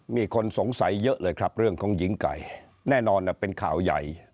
มีคนสงสัยเยอะเลยครับเรื่องของหญิงไก่แน่นอนเป็นข่าวใหญ่